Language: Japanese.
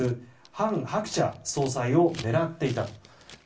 ハン・ハクチャ総裁を狙っていたと。